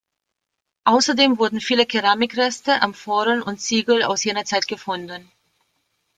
Außerdem wurden viele Keramikreste, Amphoren und Ziegel aus jener Zeit gefunden.